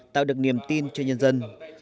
tạo được niềm tin cho nhân dân